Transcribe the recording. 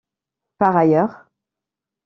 Par ailleurs,